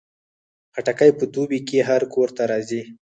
خټکی په دوبۍ کې هر کور ته راځي.